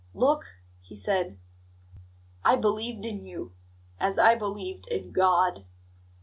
"Look!" he said. "I believed in you, as I believed in God.